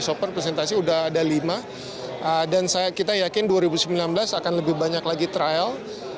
open presentasi sudah ada lima dan kita yakin dua ribu sembilan belas akan lebih banyak lagi trial